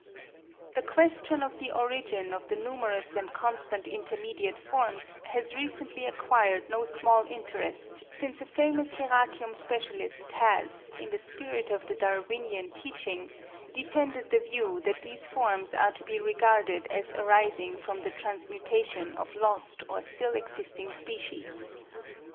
The question of the origin of the numerous and constant intermediate forms has recently acquired no small interest since a famous Hieracium specialist has, in the spirit of the Darwinian teaching, defended the view that these forms are to be regarded as [arising] from the trans mutation of lost or still existing species.